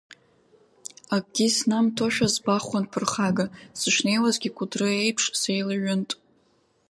Акгьы иснамҭошәа збахуан ԥырхага, сышнеиуазгьы, Кәыдры еиԥш, сеилаҩынт.